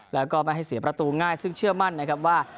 แล้วก็ไม่ให้เสียประตูง่ายซึ่งเชื่อมั่นนะครับว่า